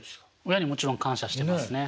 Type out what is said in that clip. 親にもちろん感謝してますね。